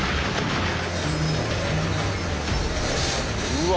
うわ！